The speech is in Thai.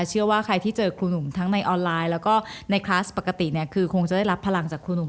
เชื่อว่าใครที่เจอครูหนุ่มทั้งในออนไลน์แล้วก็ในคลาสปกติเนี่ยคือคงจะได้รับพลังจากครูหนุ่ม